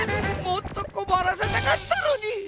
もっとこまらせたかったのに！